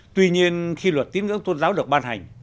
tuy nhiên khi luật tín ngưỡng tôn giáo được ban hành